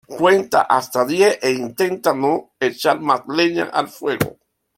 Cuenta hasta diez e intenta no echar más leña al fuego.